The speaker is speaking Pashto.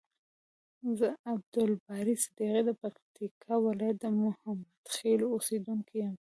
ز عبدالباری صدیقی د پکتیکا ولایت د محمدخیلو اوسیدونکی یم.